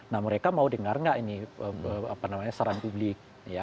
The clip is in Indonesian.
nah mereka mau dengar nggak ini saran publik